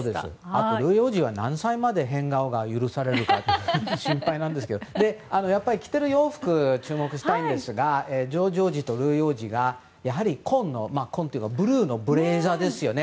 あとルイ王子は何歳まで変顔が許されるか心配なんですけどやっぱり着ている洋服に注目したいですがジョージ王子とルイ王子が紺というかブルーのブレザーですよね。